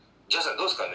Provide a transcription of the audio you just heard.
どうですかね？」。